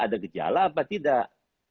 ada gejala atau tidak